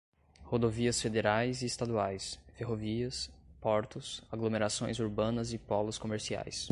rodovias federais e estaduais, ferrovias, portos, aglomerações urbanas e polos comerciais;